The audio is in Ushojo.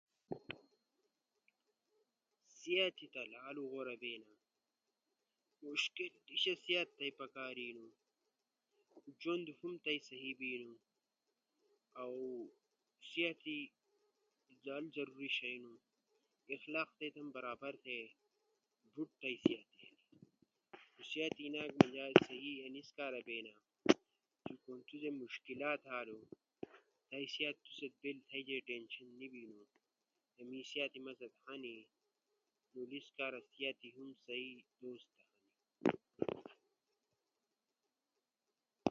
سأت تا لالو غورا بینا مشکل در سئی سأت پکارینو۔ جوند ہم تھئی سہی بینو۔ اؤ سأت لالو ضروری شیئی ہنو۔ اخلاق تھئی تمو برابر تھے۔ بوٹ تی سأت ہنی۔ نو سأت سہی انیس کارا بینا چی اکھو سا مشکلات ہنو سئی سأت تھیگے بیلے سا ٹینشن نی بیلو، کے می سأت ما ست ہنی۔ نو انیس کارا سأت ہم سہی بونو